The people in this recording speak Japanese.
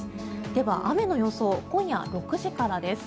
では、雨の予想今夜６時からです。